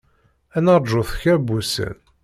Ad naṛǧut kra n wussan.